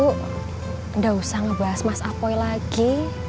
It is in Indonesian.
tidak usah ngebahas mas apoy lagi